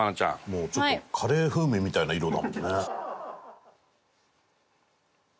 もうちょっとカレー風味みたいな色だもんね。